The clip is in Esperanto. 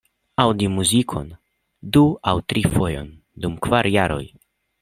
Aŭdi muzikon du aŭ tri fojojn dum kvar jaroj!